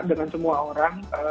dengan semua orang